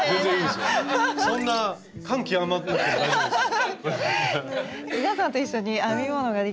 そんな感極まって大丈夫ですよ。